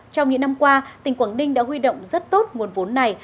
trong những năm qua tỉnh quảng ninh đã huy động rất tốt nguồn vốn này